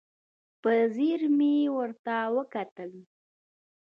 په ځیر مې ورته وکتل.